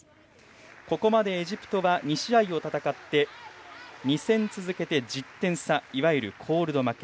ここまでエジプトは２試合戦って２戦続けて１０点差いわゆるコールド負け